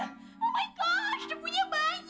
oh my gosh depunya banyak